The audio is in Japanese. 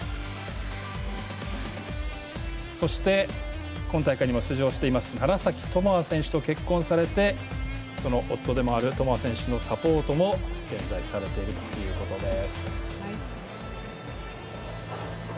そして今大会にも出場しています楢崎智亜選手とご結婚されてその夫でもある智亜選手のサポートも現在されているということです。